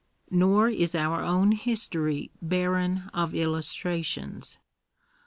Nor is our own history barren of illustrations.